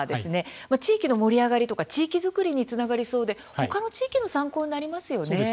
地域の盛り上がりとか地域づくりにつながりそうで他の地域の参考になりますね。